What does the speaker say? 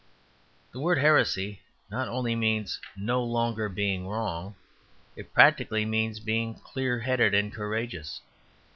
The word "heresy" not only means no longer being wrong; it practically means being clear headed and courageous.